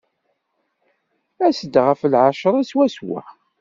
As-d ɣef lɛecṛa swaswa.